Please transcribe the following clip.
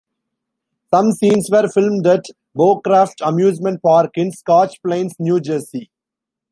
Some scenes were filmed at Bowcraft amusement park in Scotch Plains, New Jersey.